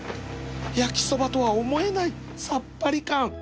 焼きそばとは思えないさっぱり感